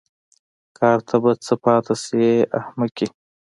کار ته به څه پاتې شي ای احمقې.